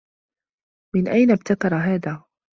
من أين ابتكر هذا؟